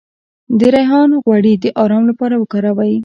د ریحان غوړي د ارام لپاره وکاروئ